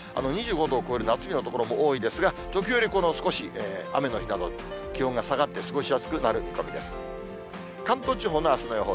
２５度を超える夏日の所も多いですが、時折、この雨の日など、気温が下がって過ごしやすくなる見込みです。